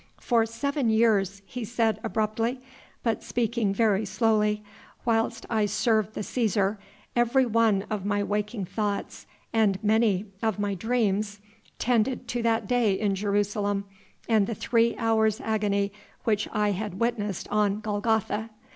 "For seven years," he said abruptly, but speaking very slowly, "whilst I served the Cæsar, every one of my waking thoughts and many of my dreams tended to that day in Jerusalem and the three hours' agony which I had witnessed on Golgotha.